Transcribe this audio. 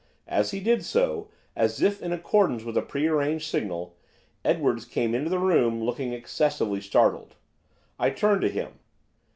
As he did so, as if in accordance with a pre arranged signal, Edwards came into the room looking excessively startled. I turned to him.